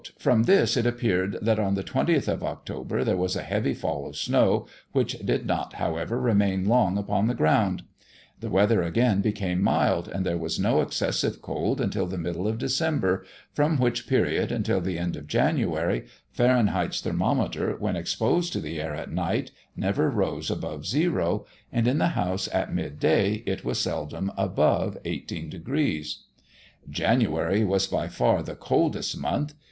"From this, it appeared that on the 20th of October there was a heavy fall of snow, which did not, however, remain long upon the ground: the weather again became mild, and there was no excessive cold until the middle of December, from which period, until the end of January, Fahrenheit's thermometer, when exposed to the air at night, never rose above zero; and in the house at mid day it was seldom above 18°. "January was by far the coldest month.